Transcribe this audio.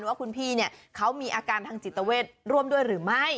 ว่าคุณพี่เนี่ยเขามีอาการทางจิตเวทร่วมด้วยหรือไม่